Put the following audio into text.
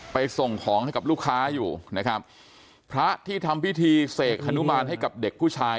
ส่งของให้กับลูกค้าอยู่นะครับพระที่ทำพิธีเสกฮนุมานให้กับเด็กผู้ชาย